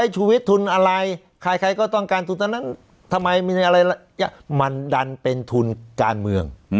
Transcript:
ชุวิตทุนอะไรใครก็ต้องการทุนตอนนั้นทำไมมีอะไรมันดันเป็นทุนการเมือง